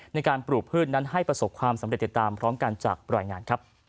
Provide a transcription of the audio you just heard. ในการปลูกพืชนั้นให้ประสบความสำเร็จติดตามพร้อมกันจากรายงานครับ